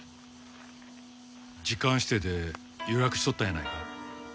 時間指定で予約しとったんやないか？